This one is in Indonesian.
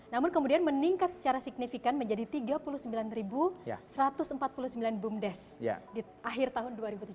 namun kemudian meningkat secara signifikan menjadi tiga puluh sembilan satu ratus empat puluh sembilan bumdes di akhir tahun dua ribu tujuh belas